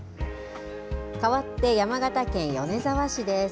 かわって山形県米沢市です。